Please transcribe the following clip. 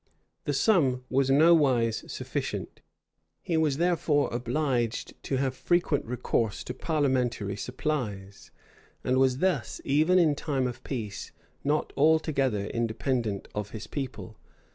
This sum was nowise sufficient: he was therefore obliged to have frequent recourse to parliamentary supplies, and was thus, even in time of peace, not altogether independent of his people.